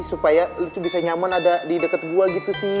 supaya lo tuh bisa nyaman ada di deket gue gitu sih